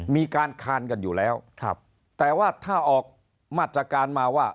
มีการคานกันอยู่แล้วแต่ว่าถ้าออกมาตรการมาว่า